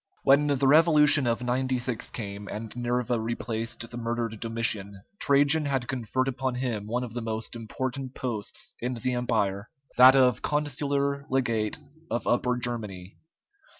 When the revolution of 96 came, and Nerva replaced the murdered Domitian, Trajan had conferred upon him one of the most important posts in the Empire, that of consular legate of Upper Germany.